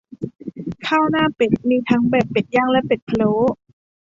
ข้าวหน้าเป็ดมีทั้งแบบเป็ดย่างและเป็ดพะโล้